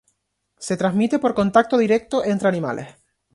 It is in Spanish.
Se transmite por contacto directo entre animales.